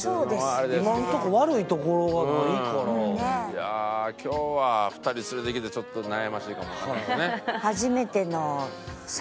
いや今日は２人連れてきてちょっと悩ましいかもわからんね。